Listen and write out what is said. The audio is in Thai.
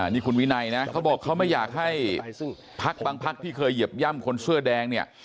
นี่คุณวินัยนะเขาบอกเขาไม่อยากให้พักบางพักที่เคยเหยียบย่ำคนเสื้อแดงเนี่ย